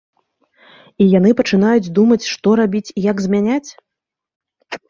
І яны пачынаюць думаць, што рабіць, як змяняць?